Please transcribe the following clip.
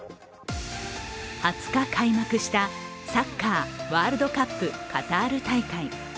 ２０日開幕したサッカーワールドカップ・カタール大会。